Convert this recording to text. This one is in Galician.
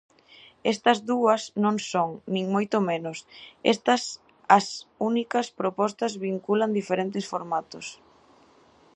Estas dúas non son, nin moito menos, estas as únicas propostas vinculan diferentes formatos.